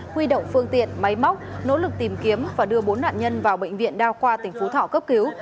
huy động phương tiện máy móc nỗ lực tìm kiếm và đưa bốn nạn nhân vào bệnh viện đa khoa tỉnh phú thọ cấp cứu